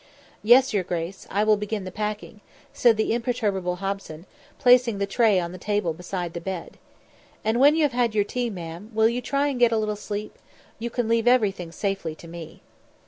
"Yes, your grace. I will begin the packing," said the imperturbable Hobson, placing the tray on the table beside the bed. "And when you have had your tea, ma'am, will you try and get a little sleep? You can leave everything safely to me."